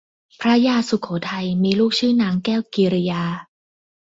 พระยาสุโขทัยมีลูกชื่อนางแก้วกิริยา